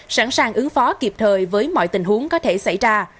sẵn sàng ứng phó kịp thời với mọi tình huống có thể xảy ra